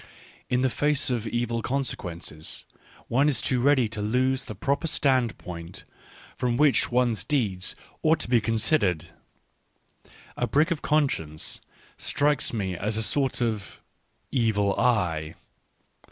In the face of evil consequences one is too ready to lose the proper standpoint from which one's deed ought to be considered. A prick of conscience strikes me as a sort of " evil eye."